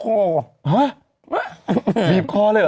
ฮะบีบคอเลยเหรอ